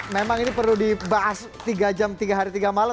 memang ini perlu dibahas tiga jam tiga hari tiga malam